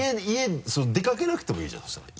出掛けなくてもいいじゃんそしたら。